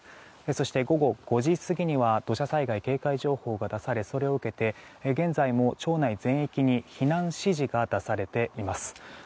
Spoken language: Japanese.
そして、午後５時過ぎには土砂災害警戒情報が出されそれを受けて現在も町内全域に避難指示が出されています。